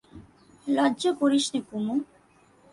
লজ্জা করিস নে কুমু।